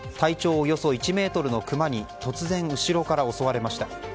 およそ１ｍのクマに突然、後ろから襲われました。